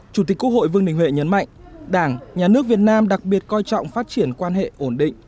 chủ tịch quốc hội vương đình huệ nhấn mạnh đảng nhà nước việt nam đặc biệt coi trọng phát triển quan hệ ổn định